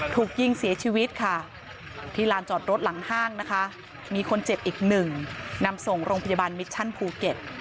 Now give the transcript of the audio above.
ถูกยิงเสียชีวิตค่ะที่ลานจอดรถหลังห้างนะคะมีคนเจ็บอีกหนึ่งนำส่งโรงพยาบาลมิชชั่นภูเก็ต